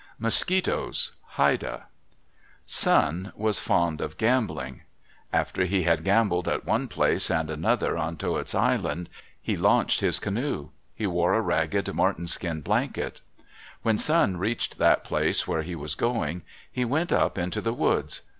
MOSQUITOES Haida Sun was fond of gambling. After he had gambled at one place and another on Toets Island he launched his canoe. He wore a ragged marten skin blanket. When Sun reached that place where he was going, he went up into the woods.